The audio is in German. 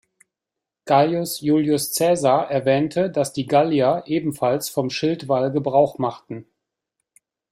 Gaius Iulius Caesar erwähnte, dass die Gallier ebenfalls vom Schildwall Gebrauch machten.